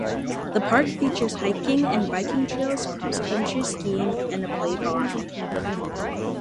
The park features hiking and biking trails, cross country skiing, and a play barn.